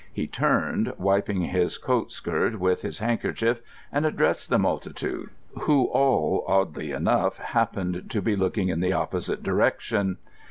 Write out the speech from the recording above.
He turned, wiping his coat skirt with his handkerchief, and addressed the multitude, who all, oddly enough, happened to be looking in the opposite direction.